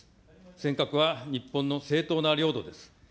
尖閣は日本の正当な領土です。